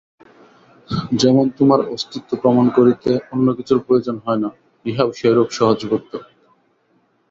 যেমন তোমার অস্তিত্ব প্রমাণ করিতে অন্য কিছুর প্রয়োজন হয় না, ইহাও সেইরূপ সহজবোধ্য।